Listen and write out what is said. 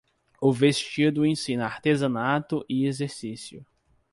O vestido ensina artesanato e exercício.